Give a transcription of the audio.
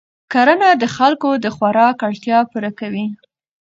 کرنه د خلکو د خوراک اړتیا پوره کوي